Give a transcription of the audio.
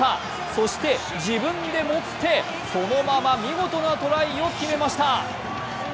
そして自分で持って、そのまま見事なトライを決めました。